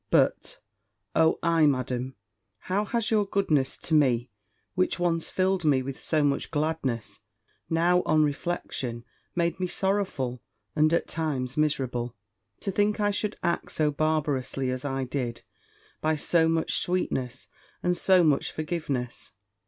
"But, Oh I Madam, how has your goodness to me, which once filled me with so much gladness, now, on reflection, made me sorrowful, and at times, miserable. To think I should act so barbarously as I did, by so much sweetness, and so much forgiveness.